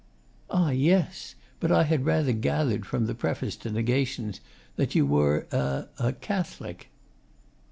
'Ah, yes.... But I had rather gathered from the preface to "Negations" that you were a a Catholic.